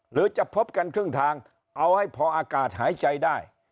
หรือจะพบกันครึ่งทางเอาให้พออากาศหายใจได้